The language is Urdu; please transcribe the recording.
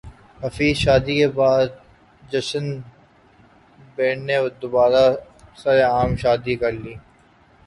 خفیہ شادی کے بعد جسٹن بیبر نے دوبارہ سرعام شادی کرلی